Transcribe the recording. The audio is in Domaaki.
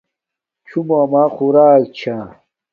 چھوموں اما خوراک چھا